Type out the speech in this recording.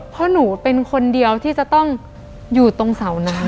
เพราะหนูเป็นคนเดียวที่จะต้องอยู่ตรงเสาน้ำ